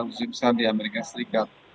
misalnya di amerika serikat